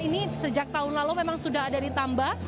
ini sejak tahun lalu memang sudah ada ditambah